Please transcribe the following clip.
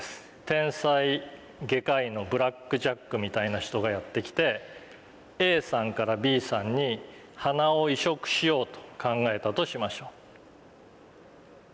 天才外科医のブラックジャックみたいな人がやって来てＡさんからＢさんに鼻を移植しようと考えたとしましょう。